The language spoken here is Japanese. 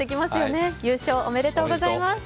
優勝、おめでとうございます。